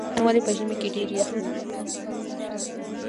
بامیان ولې په ژمي کې ډیر یخ وي؟